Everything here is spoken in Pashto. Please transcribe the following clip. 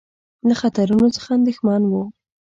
له خطرونو څخه اندېښمن وو.